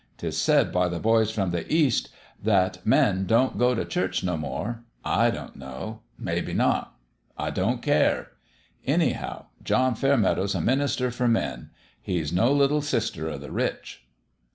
'Tis said by the boys from the East that men don't go t' church no more. I don't know : maybe not. I don't care. Anyhow, John Fair meadow's a minister for men ; he's no little sister o' the rich.